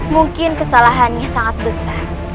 mungkin kesalahannya sangat besar